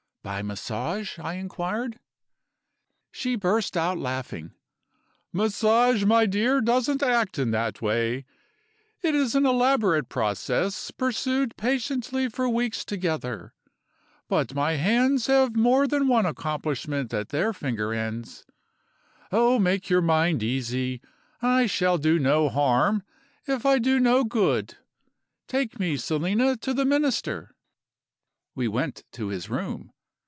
"'By Massage?' I inquired. "She burst out laughing. 'Massage, my dear, doesn't act in that way. It is an elaborate process, pursued patiently for weeks together. But my hands have more than one accomplishment at their finger ends. Oh, make your mind easy! I shall do no harm, if I do no good. Take me, Selina, to the Minister.' "We went to his room.